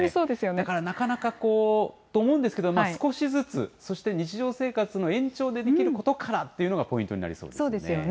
だからなかなかこう、と思うんですけど、少しずつ、そして日常生活の延長でできることからっていうのが、ポイントになりそうそうですよね。